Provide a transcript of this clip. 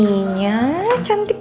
panjang joining free gad